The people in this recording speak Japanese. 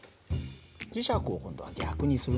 磁石を今度は逆にするね。